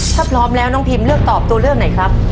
ถ้าพร้อมแล้วน้องพิมเลือกตอบตัวเลือกไหนครับ